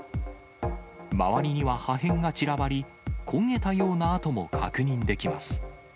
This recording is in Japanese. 周りには破片が散らばり、焦げたような跡も確認できます。